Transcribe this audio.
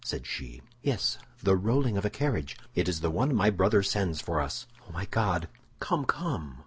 said she. "Yes, the rolling of a carriage." "It is the one my brother sends for us." "Oh, my God!" "Come, come!